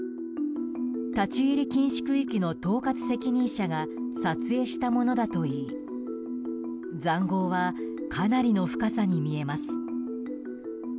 立ち入り禁止区域の統括責任者が撮影したものだといい塹壕はかなりの深さに見えます。